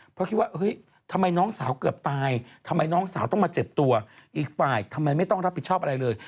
เพราะคิดว่าเฮ้ยทำไมน้องสาวเกือบตายทำไมน้องสาวต้องมาเจ็บตัวอีกฝ่ายทำไมไม่ต้องรับผิดชอบอะไรเลย